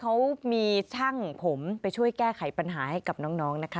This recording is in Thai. เขามีช่างผมไปช่วยแก้ไขปัญหาให้กับน้องนะคะ